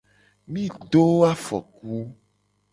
Mi do wo afoku.